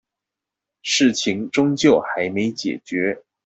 事情終究還沒解決